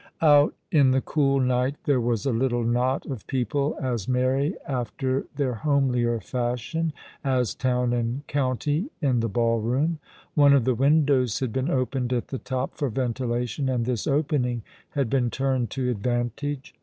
Out in the cool night there was a little knot of people as merry after their homelier fashion as town and county in tho ball room. One of the windows had been opened at the top for ventilation, and this opening had been turned to advan tage.